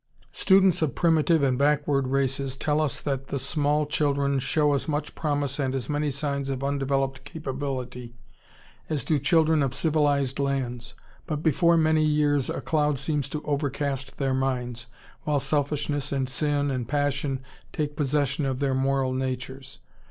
] Students of primitive and backward races tell us that the small children show as much promise and as many signs of undeveloped capability as do children of civilized lands, but before many years a cloud seems to overcast their minds, while selfishness and sin and passion take possession of their moral natures.